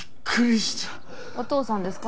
お父さんですか？